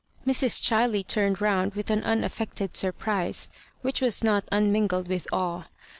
Mrs. Ghiley turned round with an unaffected surprise, which was not unmingled with awe.